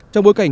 trong bối cảnh